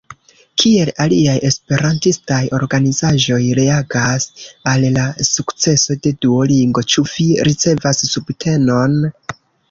Kiel aliaj esperantistaj organizaĵoj reagas al la sukceso de Duolingo, ĉu vi ricevas subtenon?